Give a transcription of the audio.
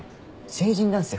成人男性